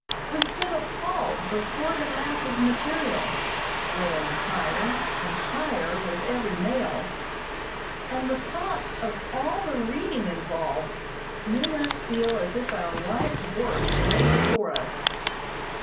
We stood appalled before the mass of material, growing higher and higher with every mail, and the thought of all the reading involved made us feel as if our lifework lay before us.